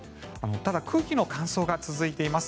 ただ空気の乾燥が続いています。